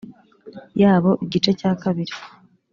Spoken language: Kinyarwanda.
yabo igice cya kabiri